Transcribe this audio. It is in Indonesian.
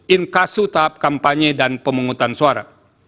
in kasus tahap kampanye dan pemungutan suara